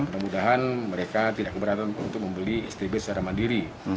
kemudian mereka tidak keberatan untuk membeli stb secara mandiri